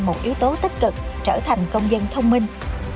một yếu tố tích cực trở thành công dân thông minh